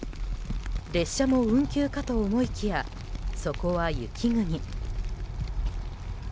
列車も運休かと思いきやそこは雪国。